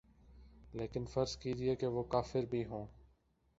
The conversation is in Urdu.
لیکن فرض کیجیے کہ وہ کافر بھی ہوں۔